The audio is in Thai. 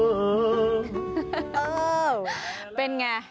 เออเป็นไง